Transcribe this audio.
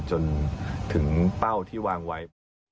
จนถึงเป้าที่วางไว้